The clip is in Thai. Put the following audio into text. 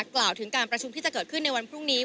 กล่าวถึงการประชุมที่จะเกิดขึ้นในวันพรุ่งนี้